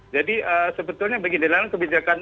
jadi sebetulnya beginilah kebijakan